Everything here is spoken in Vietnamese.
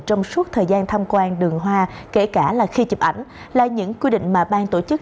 trong suốt thời gian tham quan đường hoa kể cả là khi chụp ảnh là những quy định mà bang tổ chức